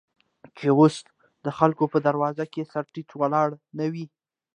چې اوس دخلکو په دروازو، کې سر تيټى ولاړ نه وې.